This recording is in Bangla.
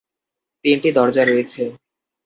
তিনটি দরজা রয়েছে।